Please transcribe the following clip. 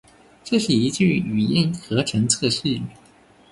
这是一句语音合成测试